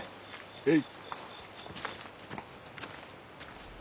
へい。